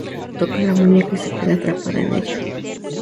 Toca la muñeca y se queda atrapada en ella.